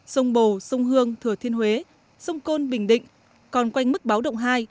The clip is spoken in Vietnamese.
sông bồ sông hương thừa thiên huế sông côn bình định còn quanh mức báo động hai